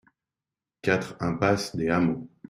quatre impasse des Hameaux